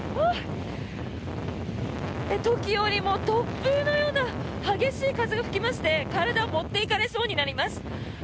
時折、突風のような激しい風が吹きまして体を持っていかれそうになります。